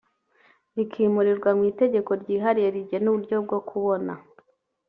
Bikimurirwa mu itegeko ryihariye rigena uburyo bwo kubona